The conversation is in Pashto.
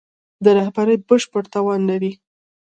د رهبري بشپړ توان لري.